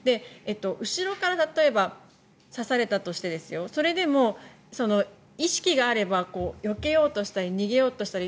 後ろから、例えば刺されたとしてそれでも意識があればよけようとしたり逃げようとしたり。